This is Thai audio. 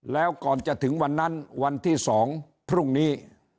แล้วก่อนจะถึงวันนั้นวันที่๒พรุ่งนี้